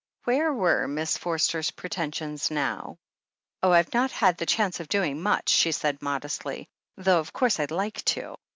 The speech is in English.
Where were Miss Forster's pretensions now? "Oh, Tve not had the chance of doing much," she said modestly, "though of course Fd like to."